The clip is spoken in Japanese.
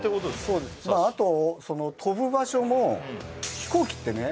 そうですあとそのとぶ場所も飛行機ってね